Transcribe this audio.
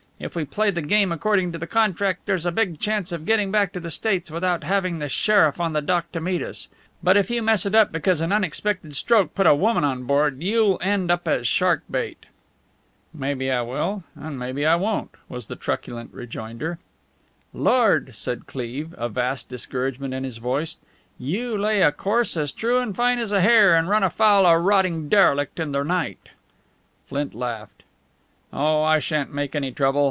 If we play the game according to contract there's a big chance of getting back to the States without having the sheriff on the dock to meet us. But if you mess it up because an unexpected stroke put a woman on board, you'll end up as shark bait." "Maybe I will and maybe I won't," was the truculent rejoinder. "Lord!" said Cleve, a vast discouragement in his tone. "You lay a course as true and fine as a hair, and run afoul a rotting derelict in the night!" Flint laughed. "Oh, I shan't make any trouble.